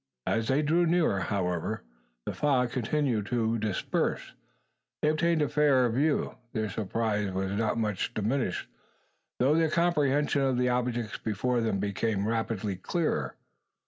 As they drew nearer, however, and the fog continued to disperse, they obtained a fairer view. Their surprise was not much diminished, though their comprehension of the objects before them became rapidly clearer.